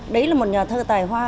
đấy là một nhà thơ tài hoa